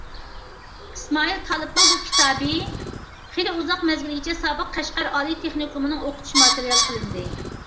ئىسمائىل تالىپنىڭ بۇ كىتابى خېلى ئۇزاق مەزگىلگىچە سابىق قەشقەر ئالىي تېخنىكومىنىڭ ئوقۇتۇش ماتېرىيالى قىلىندى.